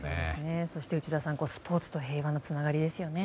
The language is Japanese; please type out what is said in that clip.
そして内田さんスポーツと平和のつながりです。